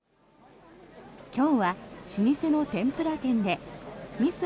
今日は老舗の天ぷら店でミス